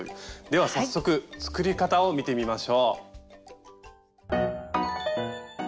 では早速作り方を見てみましょう。